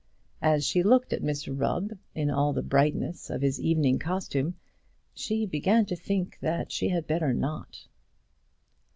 As she looked at Mr Rubb in all the brightness of his evening costume, she began to think that she had better not.